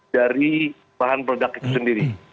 dari bahan produk itu sendiri